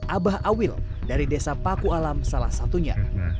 abah awil dari desa paku alam salah satunya